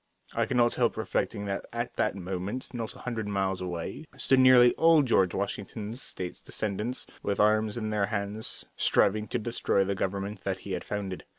I could not help reflecting that at that moment not a hundred miles away stood nearly all George Washington's State's descendants, with arms in their hands, striving to destroy the government that he had founded.